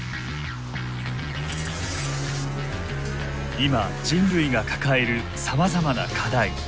今人類が抱えるさまざまな課題。